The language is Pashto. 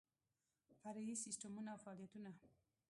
فرعي سیسټمونه او فعالیتونه